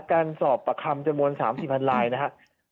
การสอบประคำจำนวน๓๔๐๐ลายนะครับ